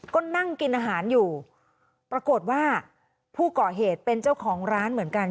ก็นั่งกินอาหารอยู่ปรากฏว่าผู้ก่อเหตุเป็นเจ้าของร้านเหมือนกัน